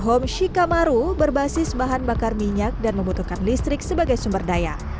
homeshikamaru berbasis bahan bakar minyak dan membutuhkan listrik sebagai sumber daya